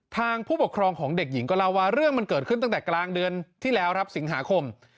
ผู้ปกครองของเด็กหญิงก็เล่าว่าเรื่องมันเกิดขึ้นตั้งแต่กลางเดือนที่แล้วครับสิงหาคม